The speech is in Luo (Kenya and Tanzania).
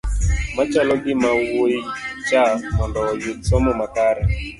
machalo gi mawuoyi cha mondo oyud somo makare